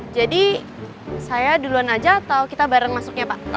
jadi saya duluan aja atau kita bareng masuknya pak